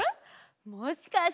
もしかして。